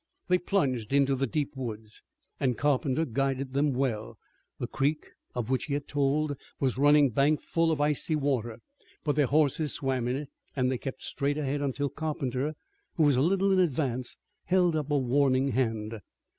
They plunged into the deep woods, and Carpenter guided them well. The creek, of which he had told, was running bankful of icy water, but their horses swam it and they kept straight ahead until Carpenter, who was a little in advance, held up a warning hand.